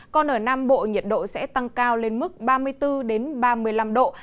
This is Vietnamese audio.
còn ở nam bộ nhiệt độ sẽ tăng cao lên mức ba mươi bốn ba mươi năm độ